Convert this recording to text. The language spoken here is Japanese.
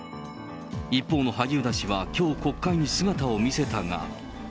一方の萩生田氏はきょう、国会に姿を見せたが。